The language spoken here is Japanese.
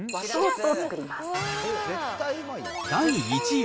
第１位。